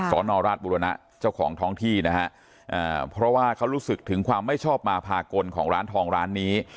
สอนอราชบุรณะเจ้าของท้องที่นะฮะเพราะว่าเขารู้สึกถึงความไม่ชอบมาพากลของร้านทองร้านนี้